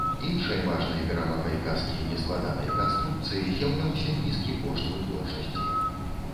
Іншай важнай перавагай каскі нескладанай канструкцыі з'яўляўся нізкі кошт вытворчасці.